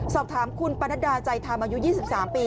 สอบถามคุณปนดาใจทามายุ๒๓ปี